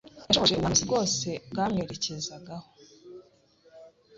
yashohoje ubuhanuzi bwose bwamwerekezagaho